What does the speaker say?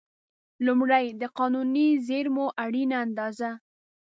لومړی: د قانوني زېرمو اړینه اندازه.